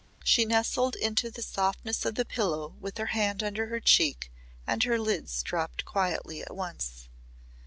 She nestled into the softness of the pillow with her hand under her cheek and her lids dropped quietly at once.